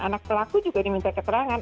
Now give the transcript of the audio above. anak pelaku juga diminta keterangan